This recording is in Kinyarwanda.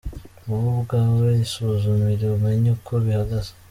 Wowe ubwawe isuzumire, umenye uko bihagaze.